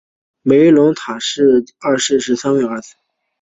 梅伦普塔是拉美西斯二世的第十三位儿子。